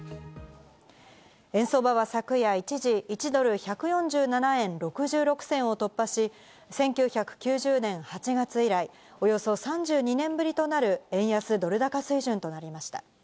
円相場は昨夜一時、１ドル＝１４７円６６銭を突破し、１９９０年８月以来、およそ３２年ぶりとなる円安ドル高水準となりました。